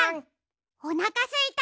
おなかすいた！